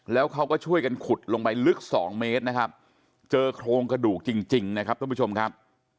แล้วเขาก็ช่วยกันขุดลงไปลึก๒เมตรนะครับเจอโครงกระดูกจริงนะครับท่านผู้ชมครับ